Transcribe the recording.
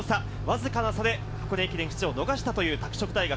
わずかな差で箱根駅伝出場を逃したという拓殖大学。